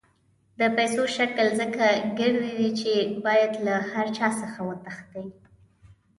د پیسو شکل ځکه ګردی دی چې باید له هر چا څخه وتښتي.